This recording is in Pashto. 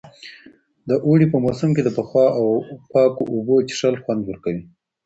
د اوړي په موسم کې د یخو او پاکو اوبو څښل خوند ورکوي.